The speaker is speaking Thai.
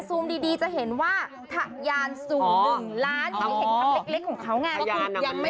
อืม